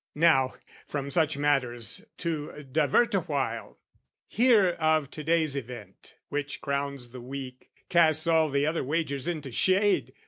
"Now, from such matters to divert awhile, "Hear of to day's event which crowns the week, "Casts all the other wagers into shade.